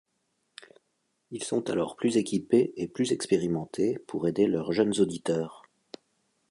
Ils sont alors plus équipés et plus expérimentés pour aider leurs jeunes auditeurs.